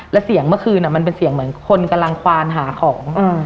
และเสียงเมื่อคืนมันเป็นเสียงเหมือนคนกำลังควานหาของ